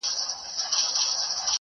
زه د خپلو زده کړو مسؤليت اخلم.